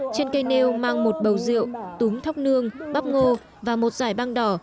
trên cây nêu mang một bầu rượu túi thóc nương bắp ngô và một giải băng đỏ